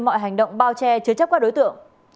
mọi hành động bao che chứa chấp các đối tượng